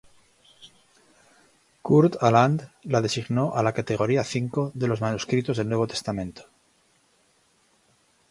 Kurt Aland la designó a la Categoría V de los manuscritos del Nuevo Testamento.